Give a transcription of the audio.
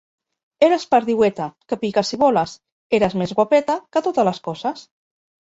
Eres perdiueta, que piques i voles; eres més guapeta, que totes les coses.